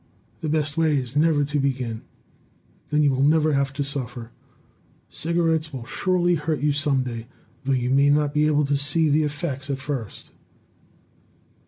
The best way is never to begin; then you will never have to suffer. Cigarettes will surely hurt you some day, though you may not be able to see the effects at first."